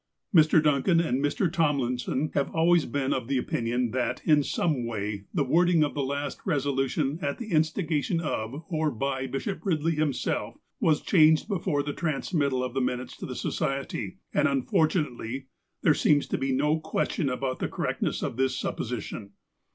Mr. Duncan and Mr. Tomliuson have always been of the opinion that, in some way, the wording of the last resolution, at the instigation of, or by Bishop Ridley him self, was changed before the transmittal of the minutes to the Society, and, unfortunately, there seems to be no ques tion about the correctness of this supposition.